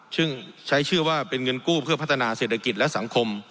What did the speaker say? ซึ่งใช้ชื่อว่าเป็นเงินกู้เพื่อพัฒนาเศรษฐกิจและสังคม